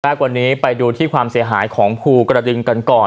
แรกวันนี้ไปดูที่ความเสียหายของภูกระดึงกันก่อน